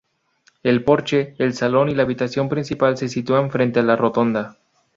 El porche, el salón y la habitación principal se sitúan frente a la rotonda.